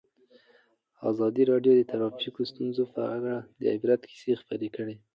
ازادي راډیو د ټرافیکي ستونزې په اړه د عبرت کیسې خبر کړي.